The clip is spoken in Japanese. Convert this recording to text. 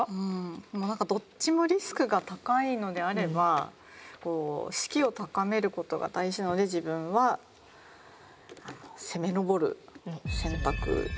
どっちもリスクが高いのであれば士気を高めることが大事なので自分は攻めのぼる選択２を選びます。